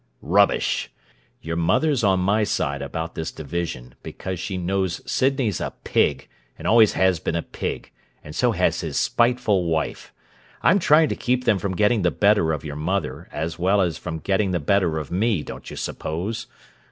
"Rubbish! Your mother's on my side about this division because she knows Sydney's a pig and always has been a pig, and so has his spiteful wife. I'm trying to keep them from getting the better of your mother as well as from getting the better of me, don't you suppose?